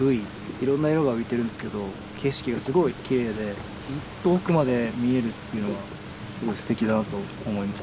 いろんな色が浮いてるんすけど景色がすごいきれいでずっと奥まで見えるっていうのがすごいすてきだなと思います。